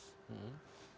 itu bisa kita lakukan